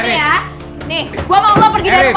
nih gue mau lo pergi dari rumah ini